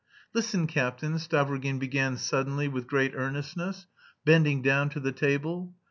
"Listen, captain," Stavrogin began suddenly, with great earnestness, bending down to the table.